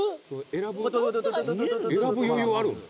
選ぶ余裕あるの？